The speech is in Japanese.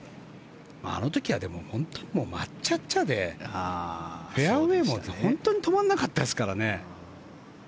あの時は本当に真っ茶っちゃでフェアウェーも本当に止まらなかったですからね。